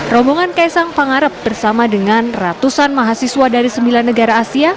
rombongan kaisang pangarep bersama dengan ratusan mahasiswa dari sembilan negara asia